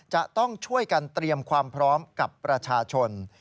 จะต้องช่วยกันเตรียมความพร้อมกับประชาชน